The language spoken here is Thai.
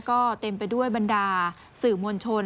ก็เต็มไปด้วยบรรดาสื่อมวลชน